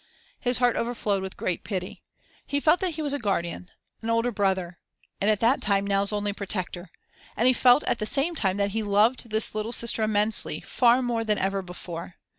His heart overflowed with great pity. He felt that he was a guardian, an older brother, and at that time Nell's only protector, and he felt at the same time that he loved this little sister immensely, far more than ever before.